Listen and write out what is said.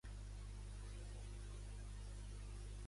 Diverses "Kommenden" formaven una província "Ballei".